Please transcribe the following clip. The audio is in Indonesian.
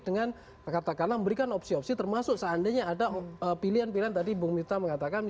dengan katakanlah memberikan opsi opsi termasuk seandainya ada pilihan pilihan tadi bung mita mengatakan